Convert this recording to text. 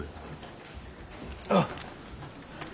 あっ。